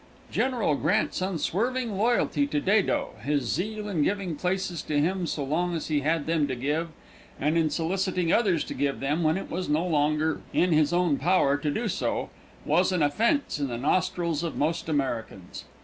General Grant's unswerving loyalty to Dado, his zeal in giving places to him so long as he had them to give, and in soliciting others to give them when it was no longer in his own power to do so, was an offense in the nostrils of most Americans.